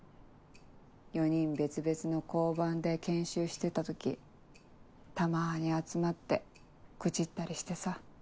４人別々の交番で研修してた時たまに集まって愚痴ったりしてさ。